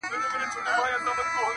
دعا لکه چي نه مني یزدان څه به کوو؟٫